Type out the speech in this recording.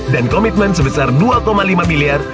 dan komitmen sebesar dua lima miliar